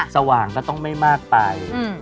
สว่างก็ต้องไม่มากไป